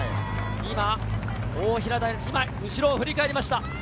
大平台、後ろを振り返りました。